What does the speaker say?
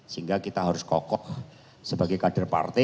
sehingga kita harus kokoh sebagai kader partai